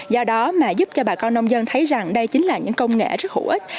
do đó mà giúp cho bà con nông dân thấy rằng đây chính là những công nghệ rất hữu ích